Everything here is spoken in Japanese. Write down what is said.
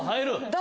「だ